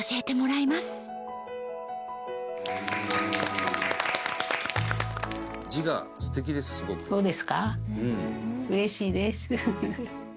うれしいです。